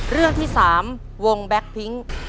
เรื่องที่๓วงแบ็คพิ้ง